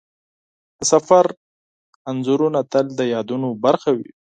د سفر عکسونه تل د یادونو برخه وي.